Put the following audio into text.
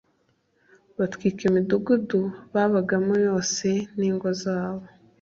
Batwika imidugudu babagamo yose n ingo zabo